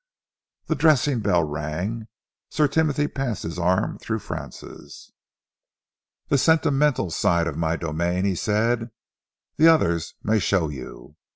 The dressing bell rang. Sir Timothy passed his arm through Francis'. "The sentimental side of my domain;" he said, "the others may show you.